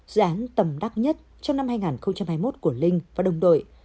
dự án tầm đắc nhất trong năm hai nghìn hai mươi một của linh và đồng đội